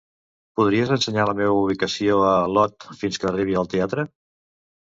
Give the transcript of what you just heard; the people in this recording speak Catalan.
Podries ensenyar la meva ubicació a l'Ot fins que arribi al teatre?